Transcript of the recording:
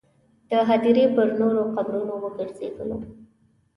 د هدیرې پر نورو قبرونو وګرځېدلو.